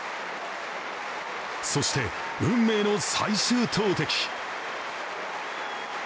そして、運命の最終投てき。